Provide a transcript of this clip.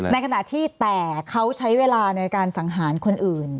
ในขณะที่แต่เขาใช้เวลาในการสังหารคนอื่น